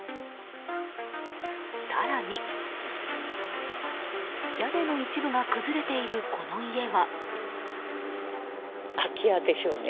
更に、屋根の一部が崩れているこの家は。